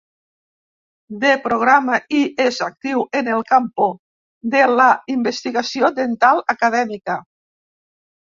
D programa i és actiu en el campo de la investigació dental acadèmica.